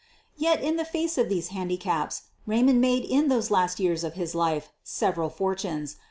Yet, in the face of these handicaps, Raymond made in those last years of his life several for tunes.